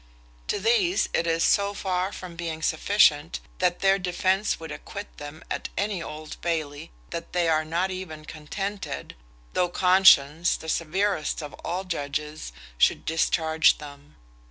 To these it is so far from being sufficient that their defence would acquit them at the Old Bailey, that they are not even contented, though conscience, the severest of all judges, should discharge them.